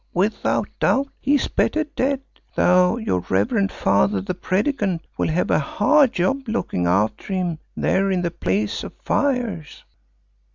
without doubt he is better dead, though your reverend father the Predikant will have a hard job looking after him there in the Place of Fires."